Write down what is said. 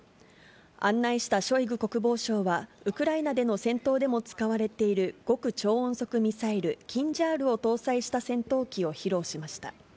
案内したショイグ国防相は、ウクライナでの戦闘でも使われている極超音速ミサイル、キンジャールを搭載した戦闘機を披露しました。